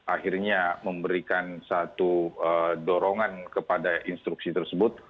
akhirnya memberikan satu dorongan kepada instruksi tersebut